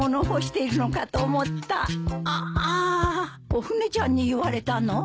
おフネちゃんに言われたの？